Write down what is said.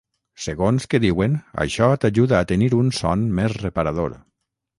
Segons que diuen, això t’ajuda a tenir un son més reparador.